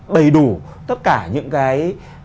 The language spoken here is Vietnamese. bầy đủ tất cả những cái